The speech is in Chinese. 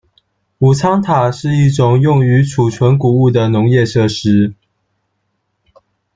谷仓塔是一种用于储存谷物的农业设施。